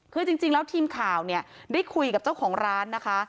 คือจริงแล้วทีมข่าวเนี่ยได้คุยกับเจ้าของร้านนะคะ